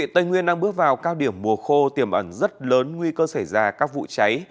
tây nguyên đang bước vào cao điểm mùa khô tiềm ẩn rất lớn nguy cơ xảy ra các vụ cháy